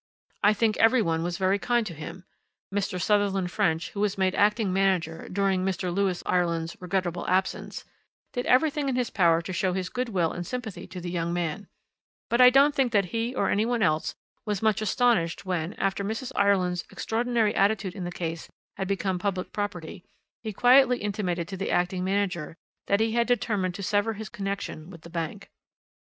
I think every one was very kind to him. Mr. Sutherland French, who was made acting manager 'during Mr. Lewis Ireland's regrettable absence,' did everything in his power to show his goodwill and sympathy to the young man, but I don't think that he or any one else was much astonished when, after Mrs. Ireland's extraordinary attitude in the case had become public property, he quietly intimated to the acting manager that he had determined to sever his connection with the bank.